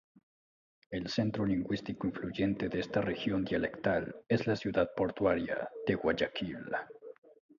El centro lingüístico influyente de esta región dialectal es la ciudad portuaria de Guayaquil.